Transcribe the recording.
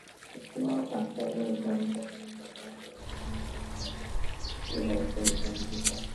La antigua pantalla electrónica fue reemplazada por una de gran calidad y resolución digital.